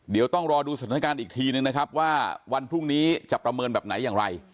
เดี๋ยวต้องรอดูสถานการณ์อีกทีนึงนะครับว่าวันพรุ่งนี้จะประเมินแบบไหนอย่างไร